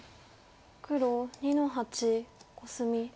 黒２の八コスミ。